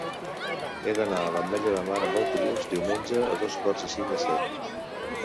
He d'anar a l'Ametlla de Mar amb autobús diumenge a dos quarts i cinc de set.